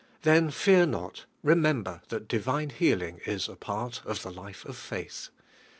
Then fear not, remem ber that divine healing is a part of the life of faith.